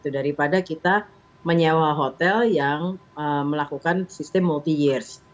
daripada kita menyewa hotel yang melakukan sistem multi years